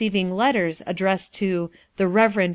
living letters acUircssea to lh c Reverend E